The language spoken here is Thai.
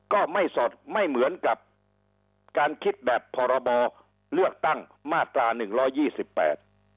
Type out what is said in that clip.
ก็ไม่สดไม่เหมือนกับการคิดแบบพรบเลือกตั้งมาตราหนึ่งร้อยยี่สิบแปด